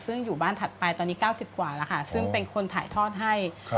ซึ่งอยู่บ้านถัดไปตอนนี้๙๐กว่าแล้วค่ะซึ่งเป็นคนถ่ายทอดให้